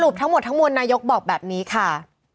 สรุปทั้งหมดข้างบนนายกบอกแบบนี้ค่ะ